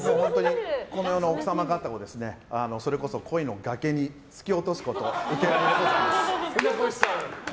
この世の奥様方をそれこそ恋の崖に突き落とすこと請け合いでございます。